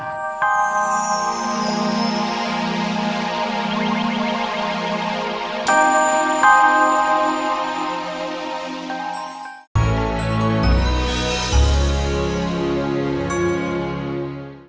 ya kita bisa menunggangnya